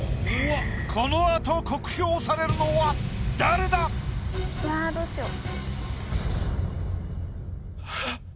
この後酷評されるのは誰だ⁉うわどうしよう。